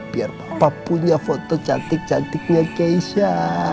biar bapak punya foto cantik cantiknya keisha